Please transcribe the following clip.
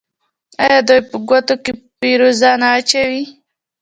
آیا دوی په ګوتو کې فیروزه نه اچوي؟